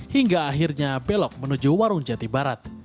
hingga akhirnya belok menuju warung jati barat